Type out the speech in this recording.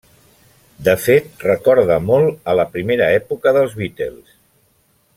De fet, recorda molt a la primera època dels Beatles.